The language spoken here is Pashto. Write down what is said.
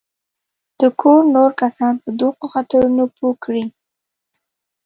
د کور نور کسان په دغو خطرونو پوه کړي.